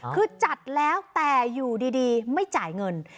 คือจัดแล้วแต่อยู่ดีไม่จ่ายเงิน